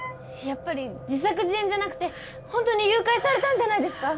やっぱり自作自演じゃなくて本当に誘拐されたんじゃないですか？